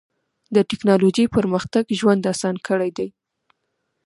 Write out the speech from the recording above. د ټکنالوجۍ پرمختګ ژوند اسان کړی دی.